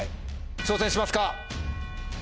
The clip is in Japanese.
挑戦しますか？